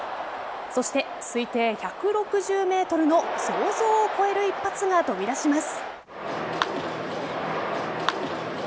そして推定１６０ｍの想像を超える一発が飛び出します。